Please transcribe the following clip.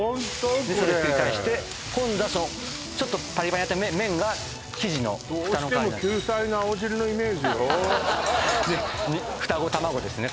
これでそれをひっくり返して今度はそのちょっとパリパリになった麺が生地のふたの代わりどうしてもキューサイの青汁のイメージよで双子卵ですね